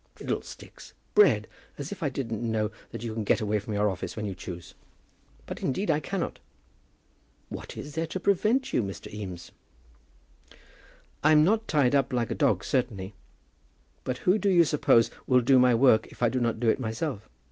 "Fiddlestick bread! As if I didn't know that you can get away from your office when you choose." "But, indeed, I cannot." "What is there to prevent you, Mr. Eames?" "I'm not tied up like a dog, certainly; but who do you suppose will do my work if I do not do it myself?